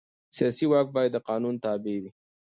سیاسي واک باید د قانون تابع وي